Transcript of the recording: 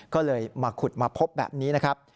ก็เลยมาขุดมาพบแบบนี้นะครับ